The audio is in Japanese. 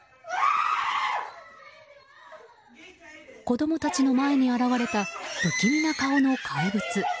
子供たちの前に現れた不気味な顔の怪物。